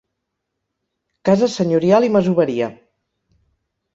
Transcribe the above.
Casa senyorial i masoveria.